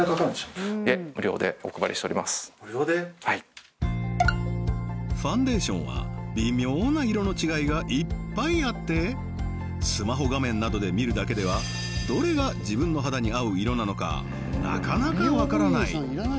はいファンデーションは微妙な色の違いがいっぱいあってスマホ画面などで見るだけではどれが自分の肌に合う色なのかなかなか分からない